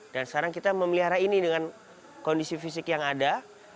dan sekarang kita memelihara ini dengan kondisi fisik yang ada